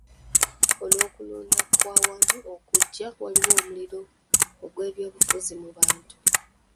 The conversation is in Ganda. Olw'okulonda okw'awamu okujja, waliwo omuliro gw'ebyobufuzi mu bantu.